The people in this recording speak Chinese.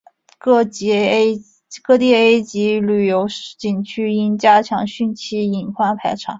各地 A 级旅游景区应加强汛期隐患排查